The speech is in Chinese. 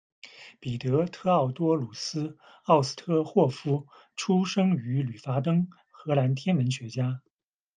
彼得·特奥多鲁斯·奥斯特霍夫，出生于吕伐登，荷兰天文学家。